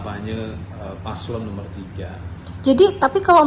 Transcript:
dan apabila memang ada ketelambatan